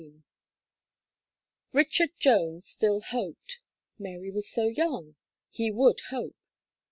Richard Jones still hoped: "Mary was so young!" He would hope.